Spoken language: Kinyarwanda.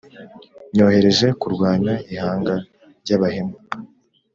Nyohereje kurwanya ihanga ry’abahemu,